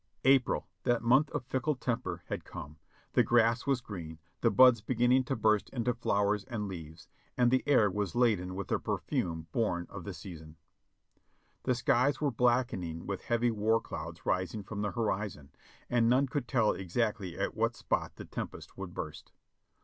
April, that month of fickle temper, had come ; the grass was green, the buds beginning to burst into flower and leaves, and the air was laden with the perfume born of the season. The skies were blackening with heavy war clouds rising from the horizon, and none could tell exactly at what spot the tempest would burst.